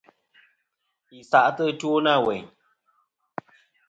Yi sa'tɨ ɨtwo na weyn.